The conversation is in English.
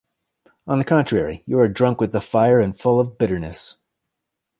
On the contrary, you are drunk with the fire and full of bitterness.